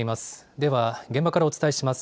では現場からお伝えします。